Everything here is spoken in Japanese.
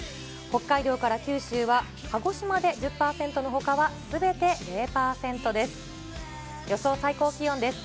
北海道から九州は鹿児島で１０％のほかは、すべて０％です。